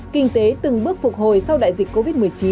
kinh tế từng bước phục hồi sau đại dịch covid một mươi chín